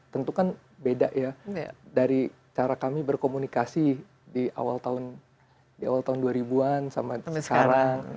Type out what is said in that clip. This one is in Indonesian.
tentu kan beda ya dari cara kami berkomunikasi di awal tahun dua ribu an sampai sekarang